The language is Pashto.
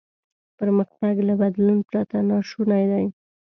پرمختګ له بدلون پرته ناشونی دی.